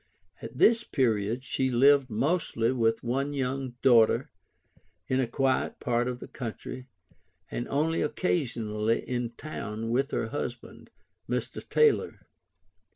At this period she lived mostly with one young daughter, in a quiet part of the country, and only occasionally in town, with her first husband, Mr. Taylor.